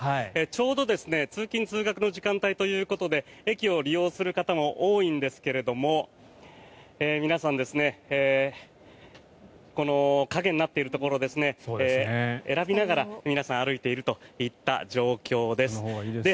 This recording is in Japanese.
ちょうど通勤・通学の時間帯ということで駅を利用する方も多いんですが皆さんこの陰になっているところを選びながら、皆さん歩いているといった状況です。